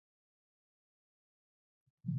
هلمند سیند د افغانستان په طبیعت کې مهم رول لري.